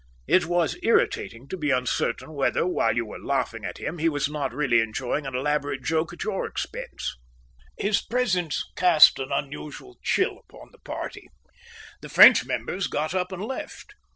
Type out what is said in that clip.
It was irritating to be uncertain whether, while you were laughing at him, he was not really enjoying an elaborate joke at your expense. His presence cast an unusual chill upon the party. The French members got up and left.